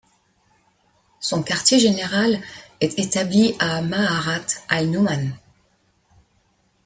Son quartier général est établi à Ma'arrat al-Numan.